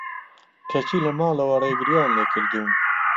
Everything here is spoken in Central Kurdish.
کەچی لە ماڵەوە رێگریان لێکردووم